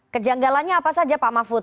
kejanggalannya apa saja pak mahfud